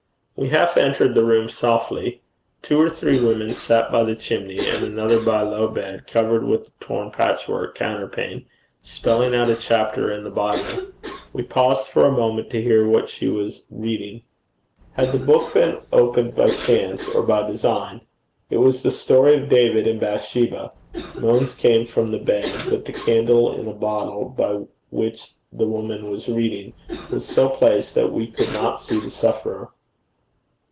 We half entered the room softly. Two or three women sat by the chimney, and another by a low bed, covered with a torn patchwork counterpane, spelling out a chapter in the Bible. We paused for a moment to hear what she was reading. Had the book been opened by chance, or by design? It was the story of David and Bathsheba. Moans came from the bed, but the candle in a bottle, by which the woman was reading, was so placed that we could not see the sufferer.